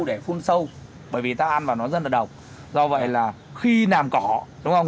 để phun sâu bởi vì ta ăn vào nó rất là độc do vậy là khi nàm cỏ đúng không